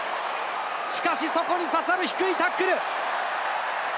しかし、そこに刺さる低いタックル！